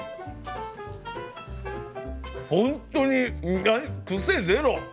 ほんとに癖ゼロ。